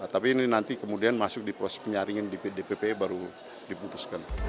tapi ini nanti kemudian masuk di proses penyaringan di dpp baru diputuskan